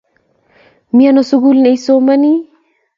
miano sukul nei somani